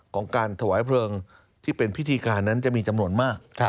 ของการถวายเพลิงที่เป็นพิธีการนั้นจะมีจำนวนมาก